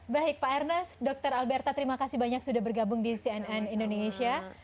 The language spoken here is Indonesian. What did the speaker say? baik pak ernest dr alberta terima kasih banyak sudah bergabung di cnn indonesia